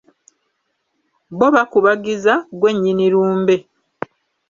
Bo bakubagiza, ggwe nnyini lumbe.